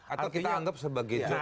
atau kita anggap sebagai